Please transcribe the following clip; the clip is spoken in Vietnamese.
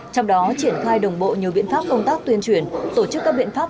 trong đó triển khai đồng bộ nhiều biện pháp công tác tuyên truyền tổ chức các biện pháp